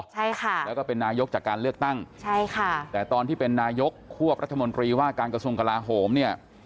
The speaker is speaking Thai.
ใช่ค่ะแล้วก็เป็นนายกจากการเลือกตั้งใช่ค่ะแต่ตอนที่เป็นนายกควบรัฐมนตรีว่าการกระทรวงกลาโหมเนี่ย